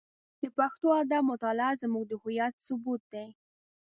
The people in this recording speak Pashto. د پښتو ادب مطالعه زموږ د هویت ثبوت دی.